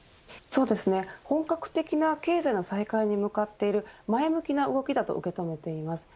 そうですね、本格的な経済の再開に向かっている前向きな動きだと受け止めています。